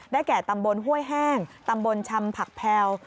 แก่ตำบลห้วยแห้งตำบลชำผักแพลว